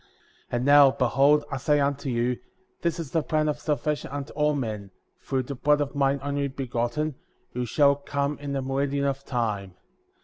62. And now, behold, I say unto you: This is the plan of salvation unto all men, through the blood of mine Only Begotten,^ who shall come in the meridian of time.